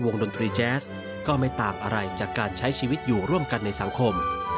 ดนตรีแจ๊สก็ไม่ต่างอะไรจากการใช้ชีวิตอยู่ร่วมกันในสังคม